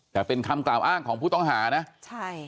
แต่เป็นคำกล่าวอ้างของผู้ต้องหานะใช่